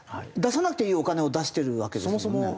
出さなくていいお金を出してるわけですもんね。